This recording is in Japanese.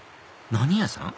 何屋さん？